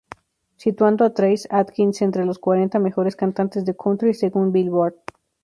Situando a Trace Adkins entre los cuarenta mejores cantantes de country según Billboard.